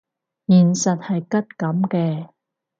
現實係骨感嘅